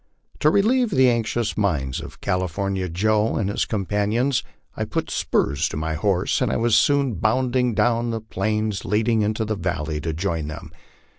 To relieve the anxious minds of California Joe and his com panions, I put spurs to my horse and was soon bounding down the plains lead ing into the valley to join him.